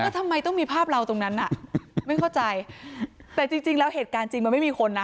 ทำไมต้องมีภาพเราตรงนั้นน่ะไม่เข้าใจแต่จริงจริงแล้วเหตุการณ์จริงมันไม่มีคนนะ